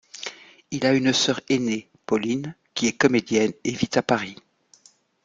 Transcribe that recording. Il a une sœur aînée, Pauline, qui est comédienne et vit à Paris.